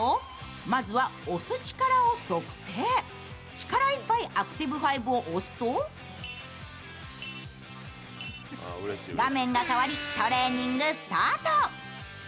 力いっぱいアクティブ５を押すと画面が変わり、トレーニングスタート。